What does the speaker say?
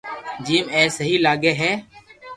جيم اي سھي لاگي ھي